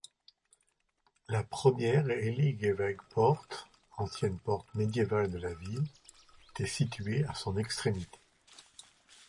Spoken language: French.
La première Heiligewegpoort, ancienne porte médiévale de la ville était située à son extrémité.